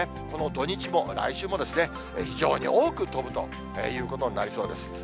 この土日も、来週もですね、非常に多く飛ぶということになりそうです。